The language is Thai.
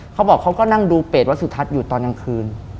เขาบอกเขาก็นั่งดูเปรตวัสสุทัศน์อยู่ตอนกลางคืน